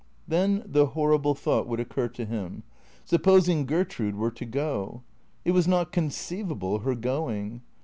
Then the horrible thought would occur to him: supposing Gertrude were to go? It was not conceivable, her going.